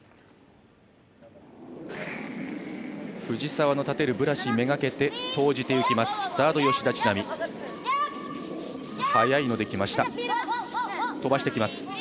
藤澤の立てるブラシをめがけて投じていきます